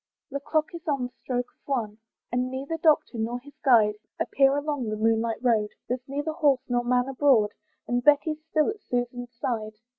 The clock is on the stroke of one; But neither Doctor nor his guide Appear along the moonlight road, There's neither horse nor man abroad, And Betty's still at Susan's side.